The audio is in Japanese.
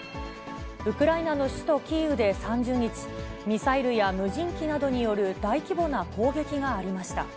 ウクライナの首都キーウで３０日、ミサイルや無人機などによる大規模な攻撃がありました。